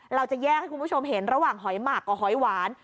เราจะแยกให้คุณผู้ชมเห็นระหว่างหอยหมักกับหอยหวาน